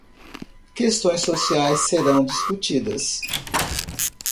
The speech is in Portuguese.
Questões sociais serão discutidas.